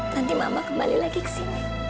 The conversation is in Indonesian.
nanti mama kembali lagi ke sini